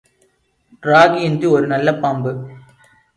ராகி என்று ஒரு நல்ல பாம்பு.